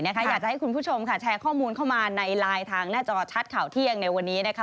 อยากจะให้คุณผู้ชมค่ะแชร์ข้อมูลเข้ามาในไลน์ทางหน้าจอชัดข่าวเที่ยงในวันนี้นะคะ